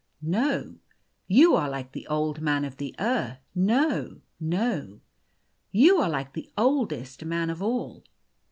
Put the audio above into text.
No. You are like the Old Man of the Earth. No, no. You are like the oldest man of all.